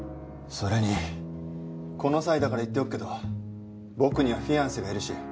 それにこの際だから言っておくけど僕にはフィアンセがいるし。